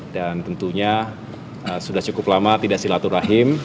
dan tentunya sudah cukup lama tidak silaturahim